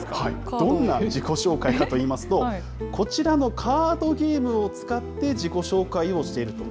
どんな自己紹介かといいますと、こちらのカードゲームを使って自己紹介をしていると。